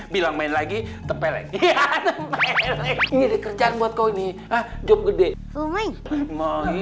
bilang main lagi tepelek kerjaan buat kau ini